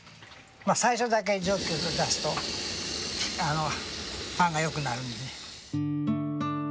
最初だけ蒸気を噴かすとパンがよくなるんで。